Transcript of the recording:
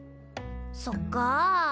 そっか。